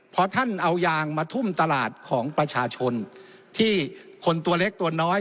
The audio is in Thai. พอท่านเอายางมาทุ่มตลาดของประชาชนที่คนตัวเล็กตัวน้อย